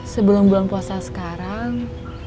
sebelum pulang puasa sekarang